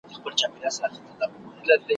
د شمشاد له هسکو څوکو، د کنړ له مسته سینده ,